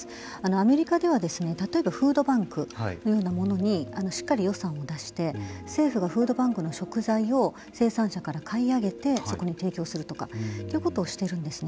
アメリカでは例えばフードバンクのようなものにしっかり予算を出して政府がフードバンクの食材を生産者から買い上げてそこに提供するとかということをしているんですね。